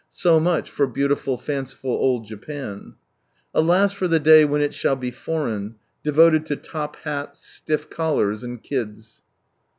^so much for beautiful fanciful old Japan. Alas for the day when it shall be " foreign "; devoted to top hats, stiff collars, and kids.